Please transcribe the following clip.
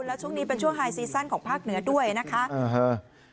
แล้วช่วงนี้เป็นช่วงไฮซีซั่นของภาคเหนือด้วยนะคะอ่าฮะ